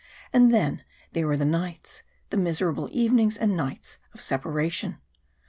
And then there were the nights, the miserable evenings and nights of separation.